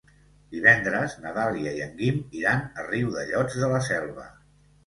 Divendres na Dàlia i en Guim iran a Riudellots de la Selva.